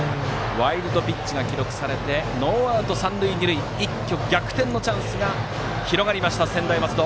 ワイルドピッチが記録されてノーアウト三塁二塁と一挙に逆転のチャンスが広がった専大松戸。